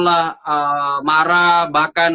lah marah bahkan kemudian